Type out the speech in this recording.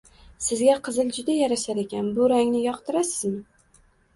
“Sizga qizil juda yarashar ekan. Bu rangni yoqtirasizmi?”